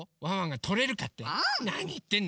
なにいってんの？